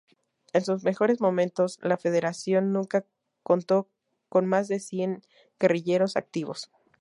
En sus mejores momentos, la Federación nunca contó con más de cien guerrilleros activos.